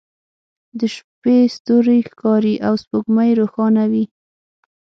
د شپې ستوری ښکاري او سپوږمۍ روښانه وي